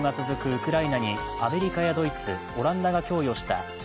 ウクライナにアメリカやドイツ、オランダが供与した地